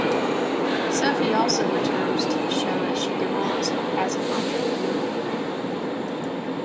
Sophie also returns to the show as she develops as an entrepreneur.